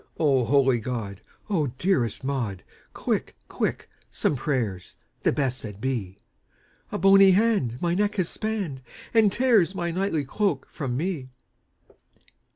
"O holy God! O dearest Maud, Quick, quick, some prayers, the best that be! A bony hand my neck has spanned, And tears my knightly cloak from me!"